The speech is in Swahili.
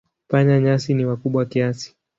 Panya-nyasi ni wakubwa kiasi.